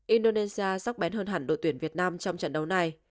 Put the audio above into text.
indonesia sắc bén hơn hẳn đội tuyển việt nam trong trận đấu này